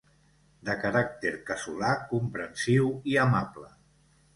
De caràcter casolà, comprensiu i amable.